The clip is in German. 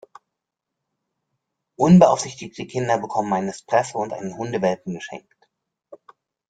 Unbeaufsichtigte Kinder bekommen einen Espresso und einen Hundewelpen geschenkt.